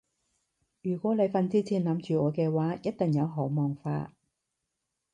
如果你瞓之前諗住我嘅話一定有好夢發